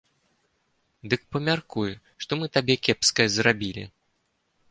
Дык памяркуй, што мы табе кепскае зрабілі?